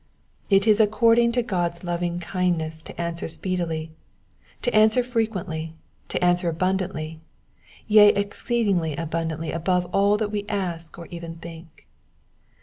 It is according to God^s lovingkindness to answer speedily, to answer frequently, to answer abundantly, yea, ex ceeding abundantly above all that we ask or even think.